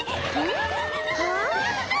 ん？